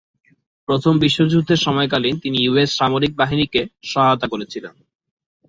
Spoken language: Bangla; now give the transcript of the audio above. প্রথম বিশ্বযুদ্ধের সময়কালীন তিনি ইউএস সামরিক বাহিনীকে সহায়তা করেছিলেন।